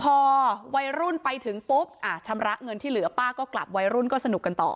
พอวัยรุ่นไปถึงปุ๊บชำระเงินที่เหลือป้าก็กลับวัยรุ่นก็สนุกกันต่อ